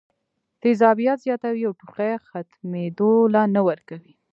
تېزابيت زياتوي او ټوخی ختمېدو له نۀ ورکوي